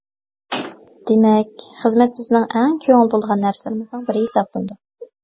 دېمەك، خىزمەت بىزنىڭ ئەڭ كۆڭۈل بۆلىدىغان نەرسىلىرىمىزنىڭ بىرى ھېسابلىنىدۇ.